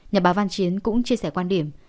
nhà báo văn chiến cũng chia sẻ quan điểm